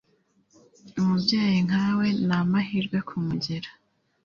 umubyeyi nkawe namahirwe kumugira